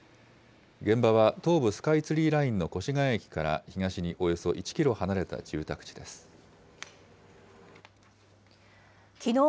現場は、東部スカイツリーラインの越谷駅から東におよそ１キロ離れた住宅きのう